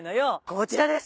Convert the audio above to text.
こちらです。